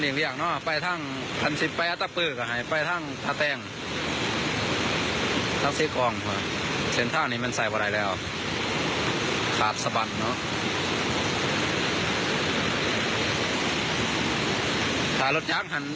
หลักขวาเกากับจักรย่ำใดขันน้ำมาเติมกับแม่นไฟเลยเนอะ